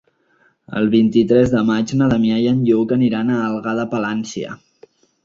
El vint-i-tres de maig na Damià i en Lluc aniran a Algar de Palància.